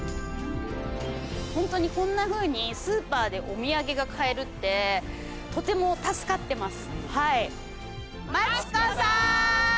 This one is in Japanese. ホントにこんなふうにスーパーでお土産が買えるってとても助かってます